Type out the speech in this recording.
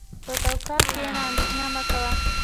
په توکل کښېنه، اندېښنه مه کوه.